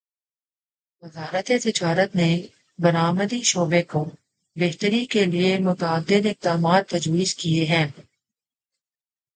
وزارت تجارت نے برآمدی شعبے کو بہتری کیلیے متعدد اقدامات تجویز کیے ہیں